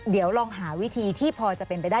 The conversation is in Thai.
เดี๋ยวลองหาวิธีที่พอจะเป็นไปได้